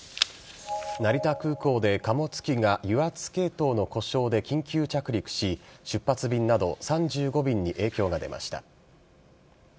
成田空港で貨物機が油圧系統の故障で緊急着陸し、出発便など３５便に影響が出ました。